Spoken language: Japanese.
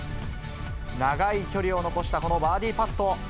長い距離を残したこのバーディーパット。